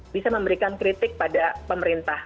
bisa memberikan kritik pada pemerintah